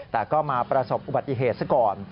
แต่ก็มาประสบอุบัติเหตุซะก่อน